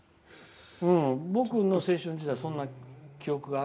僕の青春時代はそんな記憶が。